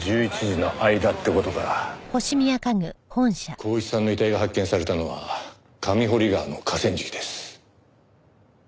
光一さんの遺体が発見されたのは神堀川の河川敷です。